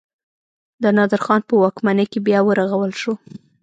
د نادر خان په واکمنۍ کې بیا ورغول شو.